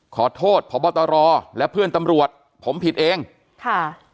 ขอโทษพบตรและเพื่อนตำรวจผมผิดเองค่ะ